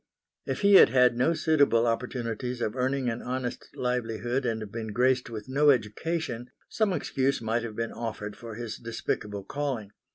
If he had had no suitable opportunities of earning an honest livelihood and been graced with no education, some excuse might have been offered for his despicable calling.